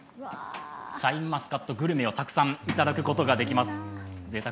シャインマスカットグルメをたくさんいただくことができます。